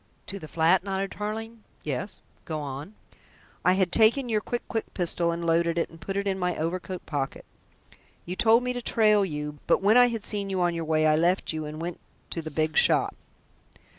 "To the flat?" nodded Tarling. "Yes, go on." "I had taken your quick quick pistol and had loaded it and put it in my overcoat pocket. You told me to trail you, but when I had seen you on your way I left you and went to the big shop."